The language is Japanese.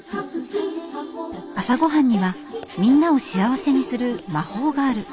朝ごはんにはみんなを幸せにする魔法がある。